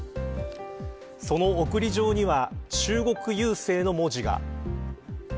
その送り状には中国郵政の文字が。